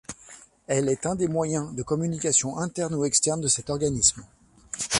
Elle est un des moyens de communication interne ou externe de cet organisme.